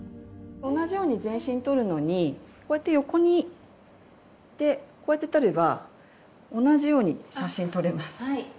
同じように全身撮るのにこうやって横にこうやって撮れば同じように写真撮れます。